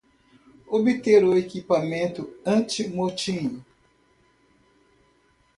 Obter o equipamento anti-motim!